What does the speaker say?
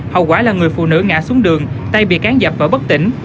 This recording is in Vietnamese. hậu quả là người phụ nữ ngã xuống đường tay bị cán dập và bất tỉnh